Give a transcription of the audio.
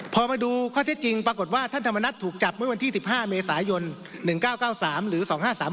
พอมาดูข้อเท็จจริงปรากฏว่าท่านธรรมนัฐถูกจับเมื่อวันที่๑๕เมษายน๑๙๙๓หรือ๒๕๓๓